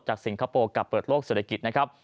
สิงคโปร์กลับเปิดโลกเศรษฐกิจนะครับ